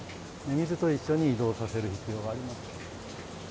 水と一緒に移動させる必要があります。